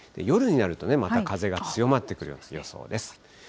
夜になるとね、また風が強まってくる予想です。